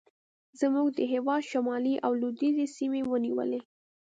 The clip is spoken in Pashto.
زموږ د هېواد شمالي او لوېدیځې سیمې ونیولې.